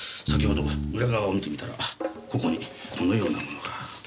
先ほど裏側を見てみたらここにこのようなものが。